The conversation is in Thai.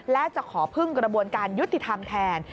และจะขอพึ่งกระบวนการยุติธรรมแทน